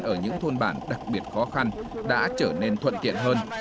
ở những thôn bản đặc biệt khó khăn đã trở nên thuận tiện hơn